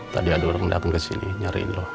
tadi ada orang dateng kesini nyariin lo